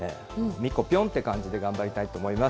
みこぴょんって感じで頑張りたいと思います。